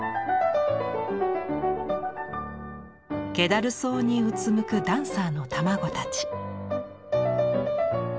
けだるそうにうつむくダンサーの卵たち。